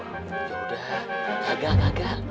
yaudah kagak kagak